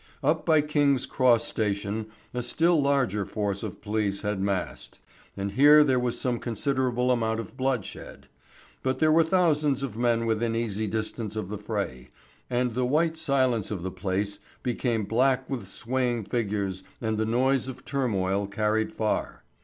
Up by King's Cross Station a still larger force of police had massed, and here there was some considerable amount of bloodshed. But there were thousands of men within easy distance of the fray, and the white silence of the place became black with swaying figures and the noise of turmoil carried far.